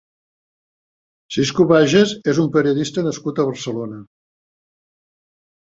Siscu Baiges és un periodista nascut a Barcelona.